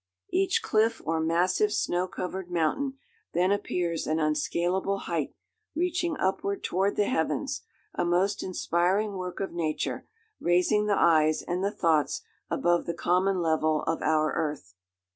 Each cliff or massive snow covered mountain then appears an unscalable height reaching upward toward the heavens,—a most inspiring work of nature, raising the eyes and the thoughts above the common level of our earth.